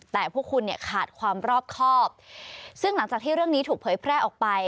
แต่พวกคุณเนี่ยขาดความรอบครอบซึ่งหลังจากที่เรื่องนี้ถูกเผยแพร่ออกไป